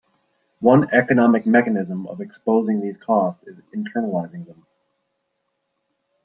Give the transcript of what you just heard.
One economic mechanism of exposing these costs is internalizing them.